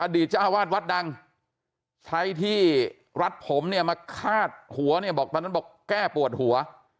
จ้าวาดวัดดังใช้ที่รัดผมเนี่ยมาคาดหัวเนี่ยบอกตอนนั้นบอกแก้ปวดหัว